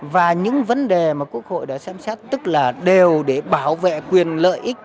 và những vấn đề mà quốc hội đã xem xét tức là đều để bảo vệ quyền lợi ích